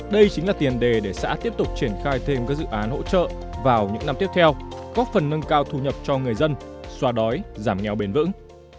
đây chính là tiền đề để xã tiếp tục triển khai thêm các dự án hỗ trợ vào những năm tiếp theo góp phần nâng cao thu nhập cho người dân xoa đói giảm nghèo bền vững